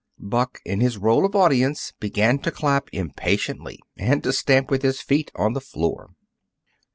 Buck, in his role of audience, began to clap impatiently and to stamp with his feet on the floor.